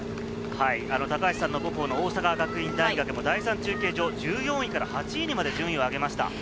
高橋さんの母校・大阪学院大学も第３中継所、１４位から８位にまで順位を上げました。